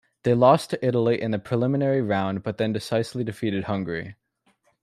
They lost to Italy in the preliminary round but then decisively defeated Hungary.